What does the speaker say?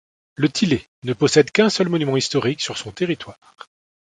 Le Thillay ne possède qu'un seul monument historique sur son territoire.